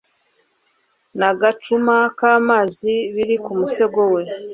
nagacuma kamazi biri ku musego we